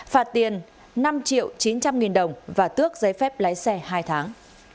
phạt tiền năm triệu chín trăm linh nghìn đồng và tước giấy phép lái xe hai tháng